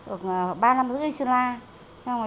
ở ba năm rưỡi trên sơn la